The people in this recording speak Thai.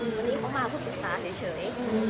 วันนี้เขามาเพื่อปรึกษาเฉย